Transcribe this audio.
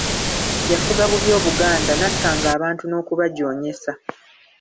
Yafuga bubi Obuganda, n'attanga abantu n'okubajoonyesa.